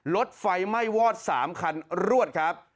รถไฟไหม้วอด๓คันรวดครับ